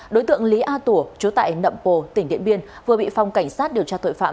đối tượng lý a tủa chú tại nậm pồ tỉnh điện biên vừa bị phòng cảnh sát điều tra tội phạm